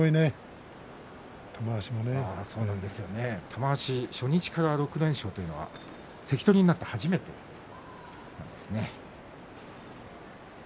玉鷲は初日から６連勝というのは関取になって初めてなんですね。